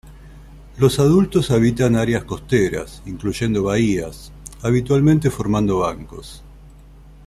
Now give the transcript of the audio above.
Los adultos habitan áreas costeras, incluyendo bahías, habitualmente formando bancos.